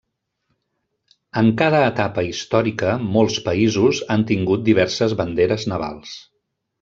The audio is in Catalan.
En cada etapa històrica molts països han tingut diverses banderes navals.